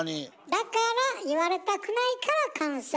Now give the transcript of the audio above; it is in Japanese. だから言われたくないから関西弁を。